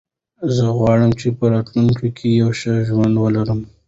زه غواړم چې په راتلونکي کې یو ښه ژوند ولرم.